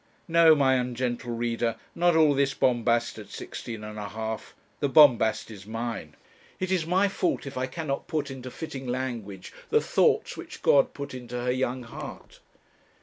No, my ungentle reader, not all this bombast at sixteen and a half. The bombast is mine. It is my fault if I cannot put into fitting language the thoughts which God put into her young heart.